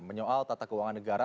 menyoal tata keuangan negara